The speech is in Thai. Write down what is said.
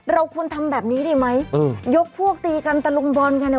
เราควรทำแบบนี้ได้ไหมยกพวกตีกันตะลงบอลกัน